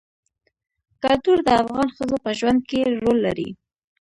کلتور د افغان ښځو په ژوند کې رول لري.